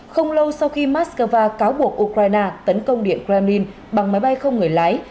không lâu sau khi moscow cáo buộc ukraine tấn công điện kremlin bằng máy bay không người lái